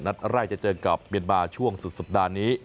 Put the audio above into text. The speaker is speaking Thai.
นัดแรกจะเจอกับเมียนมาช่วงสุดสัปดาห์นี้